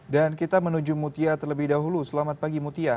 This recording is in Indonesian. dan kita menuju mutia terlebih dahulu selamat pagi mutia